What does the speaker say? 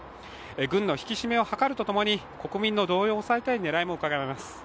軍の引き締めを図るとともに国民の動揺を抑えたい狙いもうかがえます。